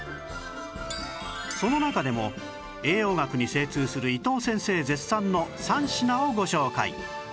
その中でも栄養学に精通する伊藤先生絶賛の３品をご紹介